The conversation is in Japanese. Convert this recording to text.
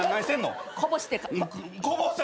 こぼして。